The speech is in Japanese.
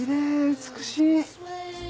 美しい！